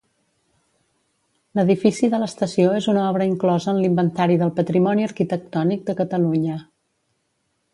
L'edifici de l'estació és una obra inclosa en l'Inventari del Patrimoni Arquitectònic de Catalunya.